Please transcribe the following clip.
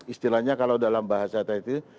istilahnya kalau dalam bahasa tadi